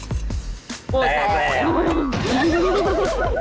แดงแดง